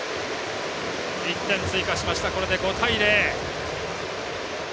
１点追加しました、これで５対０。